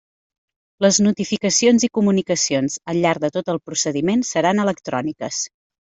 Les notificacions i comunicacions al llarg de tot el procediment seran electròniques.